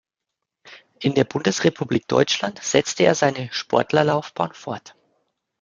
In der Bundesrepublik Deutschland setzte er seine Sportlerlaufbahn fort.